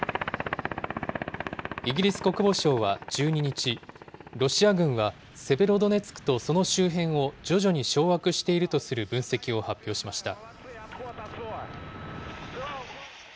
イギリス国防省は１２日、ロシア軍はセベロドネツクとその周辺を徐々に掌握しているとする分析を発表しました。